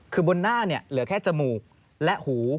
คือบนหน้าเหลือแค่จมูกและหู